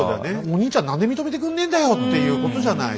お兄ちゃん何で認めてくんねえんだよっていうことじゃない？